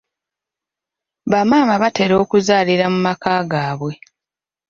Bamaama batera okuzaalira mu maka gaabwe.